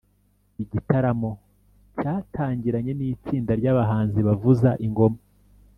Igitaramo cyatangiranye n’itsinda ry’abahanzi bavuza ingoma